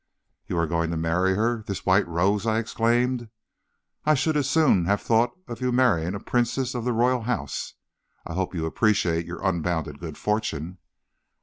"'You are going to marry her, this white rose!' I exclaimed. 'I should as soon have thought of your marrying a princess of the royal house. I hope you appreciate your unbounded good fortune.'